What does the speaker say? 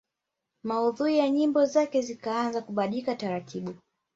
Maudhui ya nyimbo zake zikaanza kubadilika taratibu